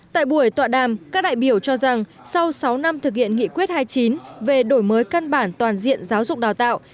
tại buổi tọa đàm các đại biểu cho rằng sau sáu năm thực hiện nghị quyết hai mươi chín về đổi mới căn bản toàn diện giáo dục đào tạo